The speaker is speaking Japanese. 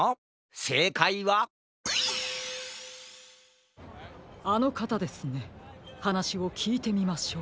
せいかいはあのかたですねはなしをきいてみましょう。